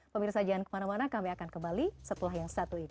pemirsa jangan kemana mana kami akan kembali setelah yang satu ini